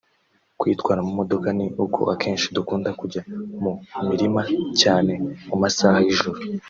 Kuyitwara mu modoka ni uko akenshi dukunda kujya mu mirima cyane mu masaha y’ijoro